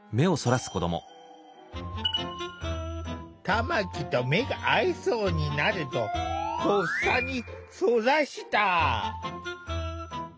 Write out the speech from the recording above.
玉木と目が合いそうになるととっさにそらした！